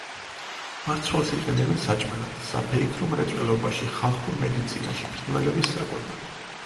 მარცვალს იყენებენ საჭმელად, საფეიქრო მრეწველობაში, ხალხურ მედიცინაში, ფრინველების საკვებად.